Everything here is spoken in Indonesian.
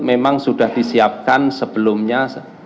memang sudah disiapkan sebelumnya